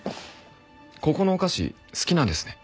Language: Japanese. ここのお菓子好きなんですね。